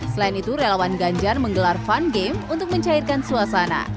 selain itu relawan ganjar menggelar fun game untuk mencairkan suasana